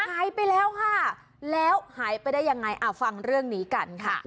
หายไปแล้วค่ะแล้วหายไปได้ยังไงฟังเรื่องนี้กันค่ะ